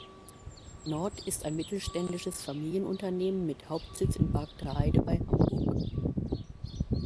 Nord ist ein mittelständisches Familienunternehmen mit Hauptsitz in Bargteheide bei Hamburg.